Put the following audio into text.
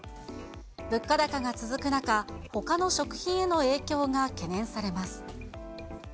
物価高が続く中、ほかの食品への影響が懸念されます。